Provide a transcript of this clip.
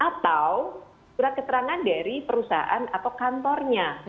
atau surat keterangan dari perusahaan atau kantornya